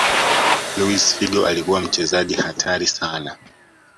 luis figo alikuwa mchezaji hatari sana